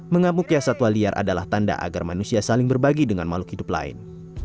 mengamuknya satwa liar adalah tanda agar manusia saling berbagi dengan makhluk hidup lain